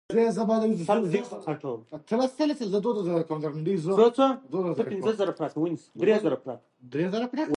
بادام د افغانستان د سیلګرۍ برخه ده.